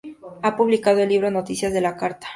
Ha publicado el libro "Noticias a la Carta.